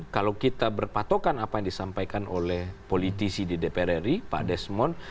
kalau kita berpatokan apa yang disampaikan oleh politisi di dpr ri pak desmond